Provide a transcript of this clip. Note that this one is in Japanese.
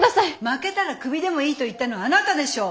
負けたらクビでもいいと言ったのはあなたでしょ？